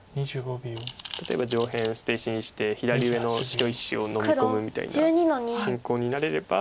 例えば上辺捨て石にして左上の白１子をのみ込むみたいな進行になれれば。